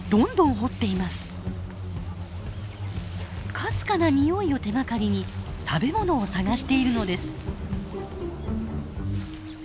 かすかなにおいを手がかりに食べ物を探しているのです。